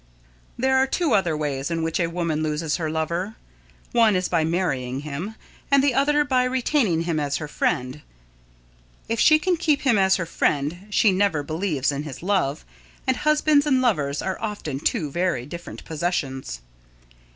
There are two other ways in which a woman loses her lover. One is by marrying him and the other by retaining him as her friend. If she can keep him as her friend, she never believes in his love, and husbands and lovers are often two very different possessions.